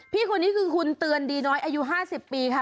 พี่คนนี้คือคุณเตือนดีน้อยอายุ๕๐ปีค่ะ